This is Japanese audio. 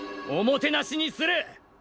おもてナシにする！